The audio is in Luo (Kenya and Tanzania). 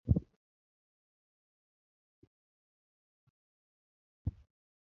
Kipokeo en mana ng'ato ang'ata…nene oparo kamano.